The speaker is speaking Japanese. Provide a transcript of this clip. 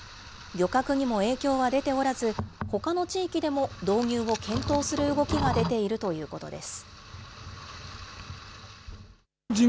漁獲にも影響は出ておらず、ほかの地域でも導入を検討する動きが出ているということです。